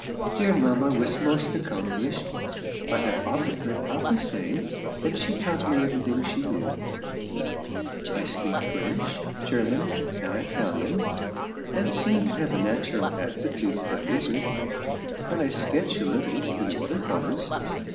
Dear mamma was most accomplished, I have often heard papa say, and she taught me everything she knew. I speak French, German, and Italian, and seem to have a natural aptitude for music; and I sketch a little in water colours.